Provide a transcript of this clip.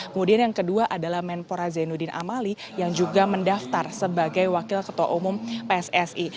kemudian yang kedua adalah menpora zainuddin amali yang juga mendaftar sebagai wakil ketua umum pssi